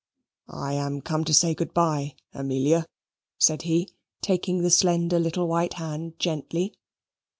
"I am come to say good bye, Amelia," said he, taking her slender little white hand gently.